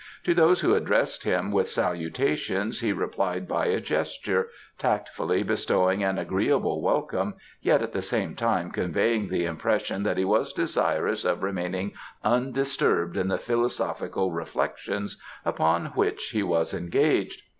To those who addressed him with salutations he replied by a gesture, tactfully bestowing an agreeable welcome yet at the same time conveying the impression that he was desirous of remaining undisturbed in the philosophical reflection upon which he was engaged.